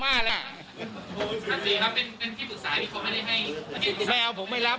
ไม่เอาผมไม่รับผมไม่รับ